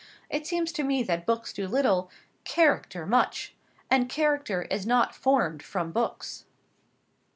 It seems to me that books do little; character much; and character is not formed from books."